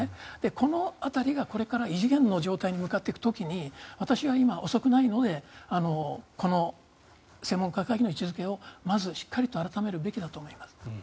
この辺りが、これから異次元の状態に向かっていく時に私は今、遅くないのでこの専門家会議の位置付けをまずしっかりと改めるべきだと思います。